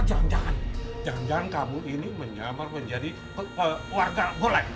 jangan jangan kamu ini menyamar menjadi pewarga golai